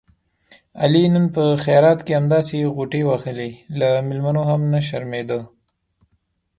علي نن په خیرات کې همداسې غوټې وهلې، له مېلمنو هم نه شرمېدا.